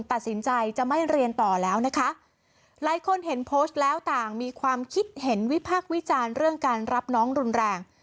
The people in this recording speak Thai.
ตัดสินใจจะไม่เรียนต่อแล้วนะคะหลายคนเห็นโพสต์แล้วต่างมีความคิดเห็นวิพากษ์วิจารณ์เรื่องการรับน้องรุนแรง